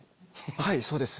はいそうです。